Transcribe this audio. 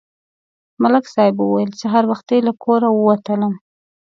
ملک صاحب وویل: سهار وختي له کوره ووتلم